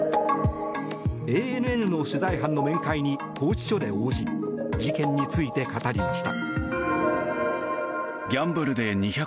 ＡＮＮの取材班の面会に拘置所で応じ事件について語りました。